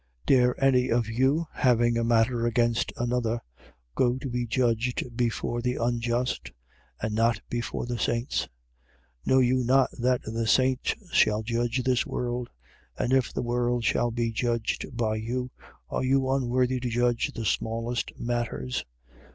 6:1. Dare any of you, having a matter against another, go to be judged before the unjust: and not before the saints? 6:2. Know you not that the saints shall judge this world? And if the world shall be judged by you, are you unworthy to judge the smallest matters?